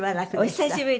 お久しぶりです！